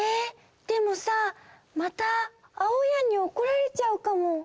でもさまたあおやんにおこられちゃうかも。